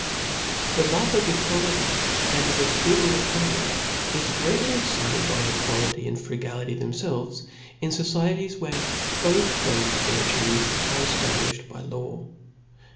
^ HTHE love of equaUty and of a frugal oeco book * nomy is greatly excited by equality and fru ^' gality themfelves, in focieties^ where both thcfe virtues are eftabliihed by law.